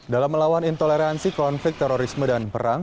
dalam melawan intoleransi konflik terorisme dan perang